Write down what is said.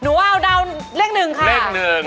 หนูว่าเดาเลขหนึ่งค่ะ